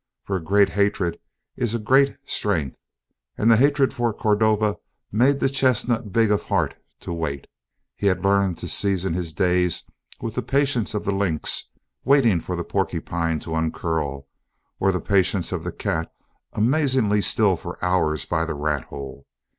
For a great hatred is a great strength, and the hatred for Cordova made the chestnut big of heart to wait. He had learned to season his days with the patience of the lynx waiting for the porcupine to uncurl or the patience of the cat amazingly still for hours by the rat hole.